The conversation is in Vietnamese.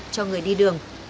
cho người đi đường